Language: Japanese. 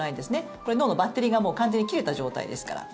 これ、脳のバッテリーがもう完全に切れた状態ですから。